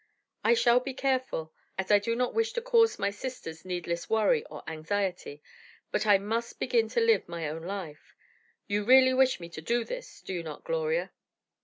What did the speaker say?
I shall be careful, as I do not wish to cause my sisters needless worry or anxiety, but I must begin to live my own life. You really wish me to do this, do you not, Gloria?"